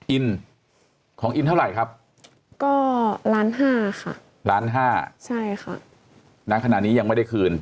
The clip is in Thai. อินของอินเท่าไหร่ครับก็ล้านห้าค่ะล้านห้าใช่ค่ะณขณะนี้ยังไม่ได้คืน